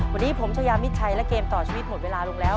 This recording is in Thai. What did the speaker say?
ก็นี่ผมเจ้านีชายและเกมต่อชีวิตหมดเวลาลุงแล้ว